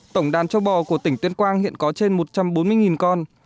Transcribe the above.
tổng đàn châu bò của tỉnh tuyên quang hiện có trên một trăm bốn mươi con